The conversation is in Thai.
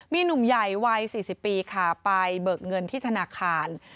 มีหนุ่มใหญ่วัย๔๐ปีค่ะไปเบิกเงินที่ธนาคาร